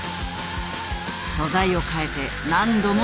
素材を変えて何度も試す。